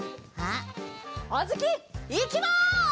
あづきいきます！